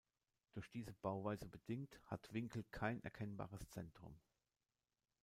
Durch diese Bauweise bedingt hat Winkel kein erkennbares Zentrum.